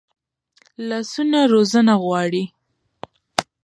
لاسونه روزنه غواړي